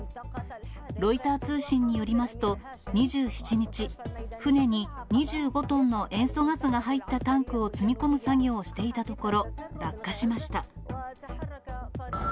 ロイター通信によりますと、２７日、船に２５トンの塩素ガスが入ったタンクを積み込む作業をしていたところ、落下しました。